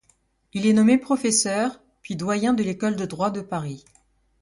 Il est nommé professeur, puis doyen de l'école de droit de Paris.